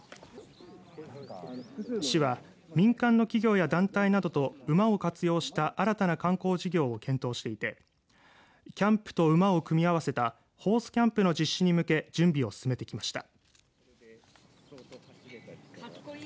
市は、民間の企業や団体などと馬を活用した新たな観光事業を検討していてキャンプと馬を組み合わせたホースキャンプの実施に向け準備を進めてきました。